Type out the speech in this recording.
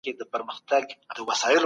بيولوژيکي عوامل د ټولنيز چلند سبب نه دي.